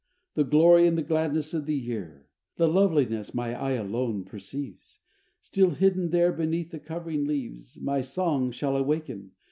The glory and the gladness of the year; The loveliness my eye alone perceives, Still hidden there beneath the covering leaves, My song shall waken!